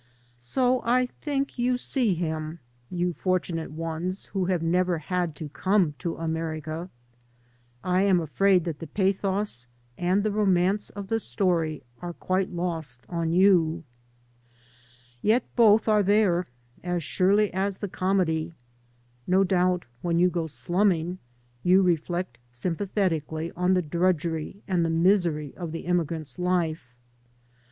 So, I think, you see him, you fortunate ones who have nev^ had^to come to America. I am afraid that the pathos and the romance of the stoty are quite lost <m you. Yet both are there as surely as the comedy. No doubt, when you go slumming, you reflect sympa thetically on the drudgery and the misery of the immi grant's life.